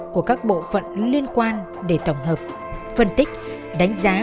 của các bộ phận liên quan để tổng hợp phân tích đánh giá